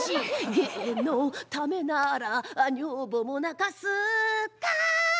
「芸のためなら女房も泣かす」たん。